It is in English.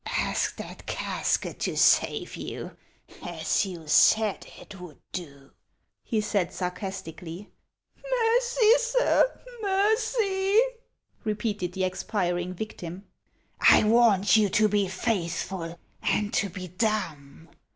" Ask that casket to save you, as you said it would do," he said sarcastically. " Mercy, sir, mercy !" repeated the expiring victim. " I warned you to be faithful and to be dumb.